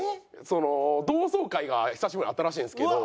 その同窓会が久しぶりにあったらしいんですけど。